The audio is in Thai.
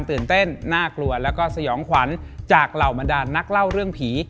ตื่นเต้นน่ากลัวแล้วก็สยองขวัญจากเหล่าบรรดานนักเล่าเรื่องผี